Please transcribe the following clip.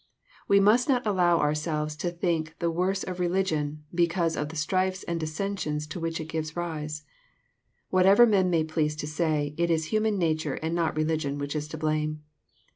We must not allow ourselves to think the worse of religion be cause of the strifes and dissensions to which it gives rise. Whatever men may please to say, it is human nature, and not religion, which is to blame.